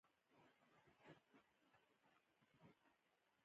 د افغانستان د اقتصادي پرمختګ لپاره پکار ده چې شخړه ونکړو.